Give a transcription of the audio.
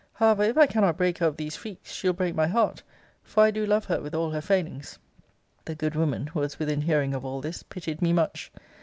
However, if I cannot break her of these freaks, she'll break my heart; for I do love her with all her failings. The good woman, who was within hearing of all this, pitied me much.